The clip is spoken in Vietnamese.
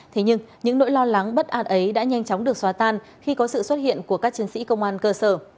thế nhưng những nỗi lo lắng bất an ấy đã nhanh chóng được xóa tan khi có sự xuất hiện của các chiến sĩ công an cơ sở